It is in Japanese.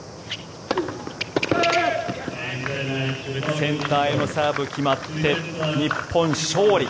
センターへのサーブ、決まって日本、勝利！